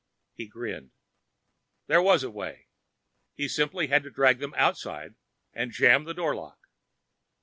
He grinned. There was a way. He simply had to drag them outside and jam the door lock.